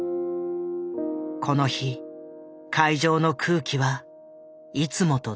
この日会場の空気はいつもと全然違う。